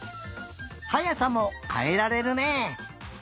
はやさもかえられるね。